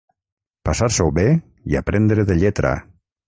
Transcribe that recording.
Passar-s'ho bé i aprendre de lletra.